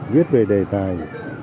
viết về đề tài